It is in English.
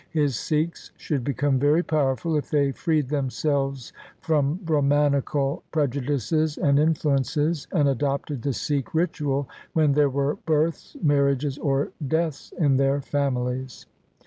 His Sikhs should become very powerful, if they freed themselves from Brahmanical prejudices and influences, and adopted the Sikh ritual when there were births, marriages, or deaths in their families.